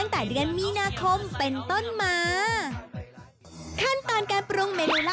ค่าเรือน่ากระน่าปลอดภัย